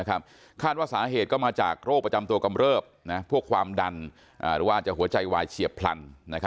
คาดว่าสาเหตุก็มาจากโรคประจำตัวกำเริบพวกความดันหรือว่าจะหัวใจวายเฉียบพลัน